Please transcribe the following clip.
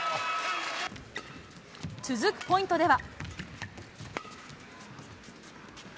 続くポイントでは。